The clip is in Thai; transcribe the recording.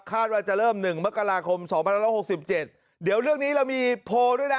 คาดว่าจะเริ่ม๑มกราคม๒๑๖๗เดี๋ยวเรื่องนี้เรามีโพลด้วยนะ